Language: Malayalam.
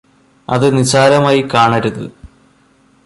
അത് നിസ്സാരമായി കാണരുത്